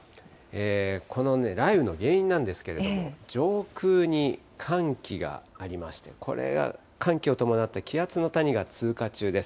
この雷雨の原因なんですけれども、上空に寒気がありまして、これが寒気を伴った気圧の谷が通過中です。